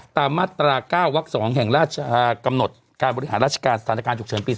ตามมาตรา๙วัก๒แห่งราชกำหนดการบริหารราชการสถานการณ์ฉุกเฉินปี๒๕